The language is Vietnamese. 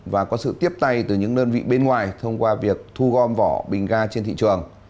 và có sự tiếp tay từ những đơn vị bên ngoài thông qua việc thu gom vỏ bình ga trên thị trường